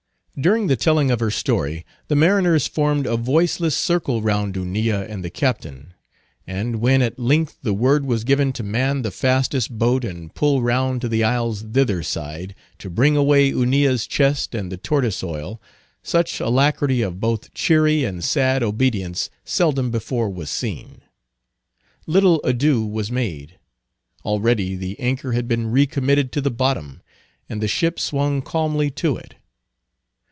During the telling of her story the mariners formed a voiceless circle round Hunilla and the Captain; and when at length the word was given to man the fastest boat, and pull round to the isle's thither side, to bring away Hunilla's chest and the tortoise oil, such alacrity of both cheery and sad obedience seldom before was seen. Little ado was made. Already the anchor had been recommitted to the bottom, and the ship swung calmly to it.